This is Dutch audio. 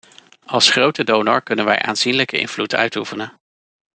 Als grote donor kunnen wij aanzienlijke invloed uitoefenen.